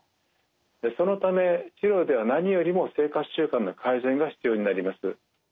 そのため治療では何よりも生活習慣の改善が必要になります。